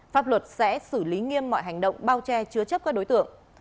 pháp luật sẽ xử lý nghiêm mọi hành động bao che chứa chấp các đối tượng